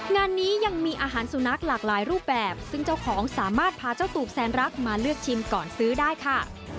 งานนี้ยังมีอาหารสุนัขหลากหลายรูปแบบซึ่งเจ้าของสามารถพาเจ้าตูบแสนรักมาเลือกชิมก่อนซื้อได้ค่ะ